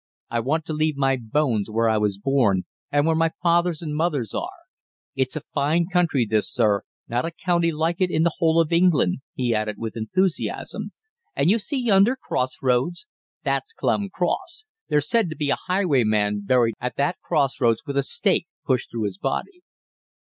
I want to leave my bones where I was born, and where my father's and mother's are. It's a fine country, this sir, not a county like it in the whole of England," he added with enthusiasm. "And you see yonder cross roads? That's Clun Cross there's said to be a highwayman buried at that cross roads with a stake pushed through his body."